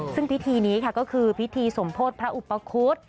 ซึ่งพิธีนี้ค่ะก็คือพิธีสมโพธิพระอุปคุฎ